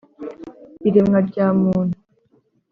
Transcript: Iremwa rya muntu